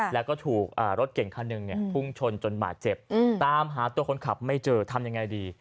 แล้วก็ถูกรถเก่งคันหนึ่งพุ่งชนจนบาดเจ็บตามหาตัวคนขับไม่เจอทำยังไงดี